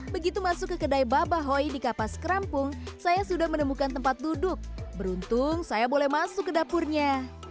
begitu masuk ke kedai babah hoi di kapas kerampung saya sudah menemukan tempat duduk beruntung saya boleh masuk ke dapurnya